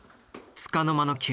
つかの間の休日。